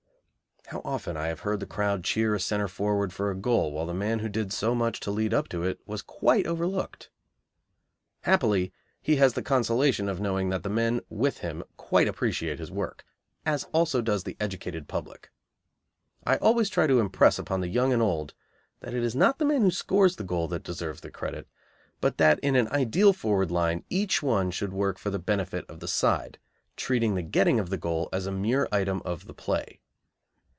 How often I have heard the crowd cheer a centre forward for a goal while the man who did so much to lead up to it was quite overlooked! Happily he has the consolation of knowing that the men with him quite appreciate his work, as also does the educated public. I always try to impress upon the young and old that it is not the man who scores the goal that deserves the credit, but that in an ideal forward line each one should work for the benefit of the side, treating the getting of the goal as a mere item of the play.